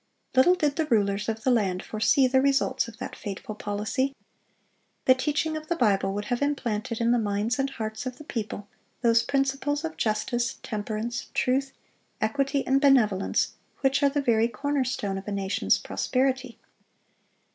(411) Little did the rulers of the land foresee the results of that fateful policy. The teaching of the Bible would have implanted in the minds and hearts of the people those principles of justice, temperance, truth, equity, and benevolence which are the very corner stone of a nation's prosperity.